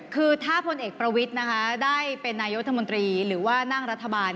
คือถ้าพลเอกประวิทย์ได้เป็นนายโทษธรรมดิหรือว่านั่งรัฐบาล